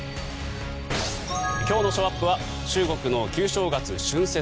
今日のショーアップは中国の旧正月・春節。